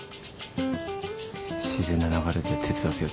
自然な流れで手伝わせようとしてる。